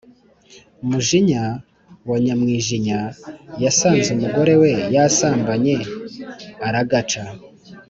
Mujinya wa Nyamwijinya yasanze umugore we yasambanye aragaca.